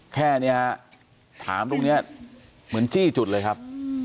แค่นี้ฮะถามตรงนี้เหมือนจี้จุดเลยครับ